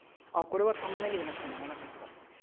あこれは「玉ねぎ」でなくちゃならなかったって。